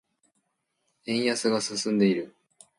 円安が進んでいる。